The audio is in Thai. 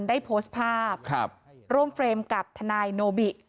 ได้โพสต์ภาพร่วมเฟรมกับทนายโนบิ